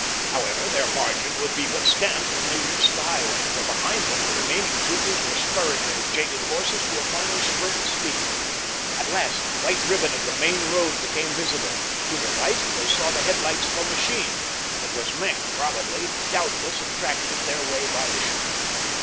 However, their margin would be but scant when they reached the highway, for behind them the remaining troopers were spurring their jaded horses to a final spurt of speed. At last the white ribbon of the main road became visible. To the right they saw the headlights of a machine. It was Maenck probably, doubtless attracted their way by the shooting.